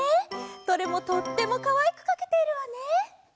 どれもとってもかわいくかけているわね！